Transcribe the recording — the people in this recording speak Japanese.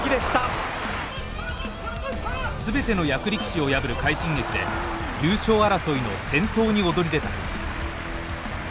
全ての役力士を破る快進撃で優勝争いの先頭に躍り出た。